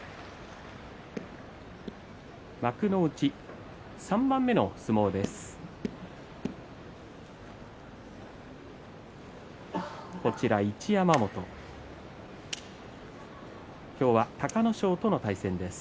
幕内３番目の相撲です。